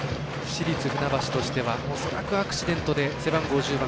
市立船橋としては恐らくアクシデントで背番号１０番